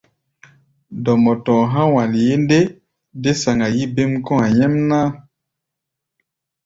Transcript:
Dɔmɔ tɔ̧ɔ̧ há̧ wanye ndé, dé saŋa-yí bêm kɔ̧́-a̧ nyɛ́mná.